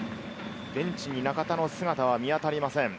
ベンチに中田の姿は見当たりません。